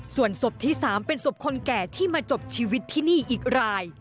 ส่วนศพที่๓เป็นศพคนแก่ที่มาจบชีวิตที่นี่อีกราย